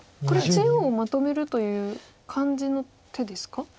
これ中央をまとめるという感じの手ですか？